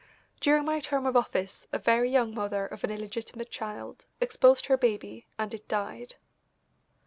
During my term of office a very young mother of an illegitimate child exposed her baby, and it died.